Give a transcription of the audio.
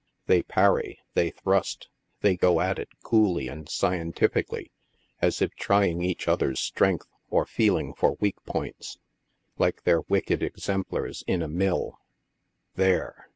They parry, they thrust, they go at it coolly and scientifically, as if trying each other's strength or feeling for weak points, like their wicked examplars in a " mill." There